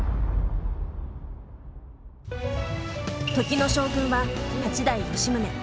時の将軍は八代・吉宗。